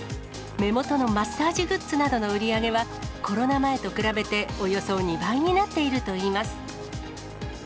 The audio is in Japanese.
目元のマッサージグッズなどの売り上げは、コロナ前と比べておよそ２倍になっているといいます。